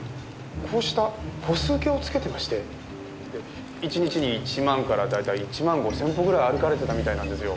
こうした歩数計をつけてまして１日に１万から大体１万５０００歩ぐらい歩かれてたみたいなんですよ。